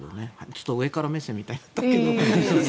ちょっと上から目線みたいになったけど。